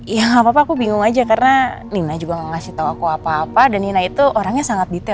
ya gak apa apa aku bingung aja karena nina juga gak ngasih tau aku apa apa dan nina itu orangnya sangat detail